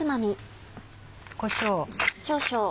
こしょう。